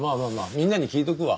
みんなに聞いとくわ。